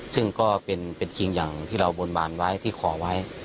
ซึ่งก็เป็นจริงอย่างที่เราบนบานไว้ที่ขอไว้